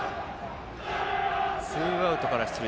ツーアウトから出塁。